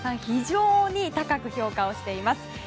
非常に高く評価をしています。